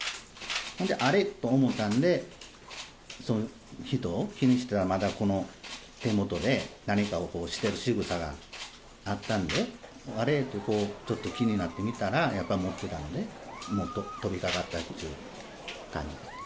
そんで、あれっと思うたんで、その人、まだ、この手元で何かをしてるしぐさがあったんで、あれっとちょっと気になってみたら、やっぱ持ってたんで、もう飛びかかったっちゅう感じ。